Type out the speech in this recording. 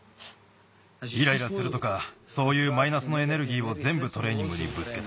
イライラするとかそういうマイナスのエネルギーをぜんぶトレーニングにぶつけた。